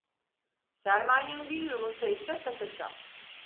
Sermayen bir yumurta ise taşa çal.